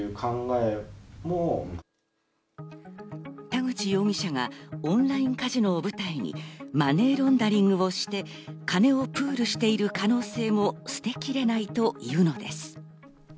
田口容疑者がオンラインカジノを舞台にマネーロンダリングをして、金をプールしている可能性も捨てきれないというのです。